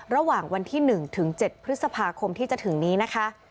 ระหว่างวันที่๑ถึง๗พฤษภาคมที่จะถึงนี้นะคะ